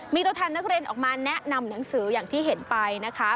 มีตัวแทนนักเรียนออกมาแนะนำหนังสืออย่างที่เห็นไปนะคะ